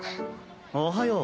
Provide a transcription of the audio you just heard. おはよう。